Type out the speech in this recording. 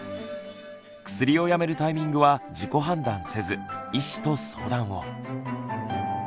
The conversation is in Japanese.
薬をやめるタイミングは自己判断せず医師と相談を。